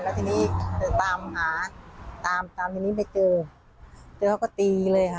แล้วทีนี้ตามหาตามตามทีนี้ไม่เจอเจอเขาก็ตีเลยค่ะ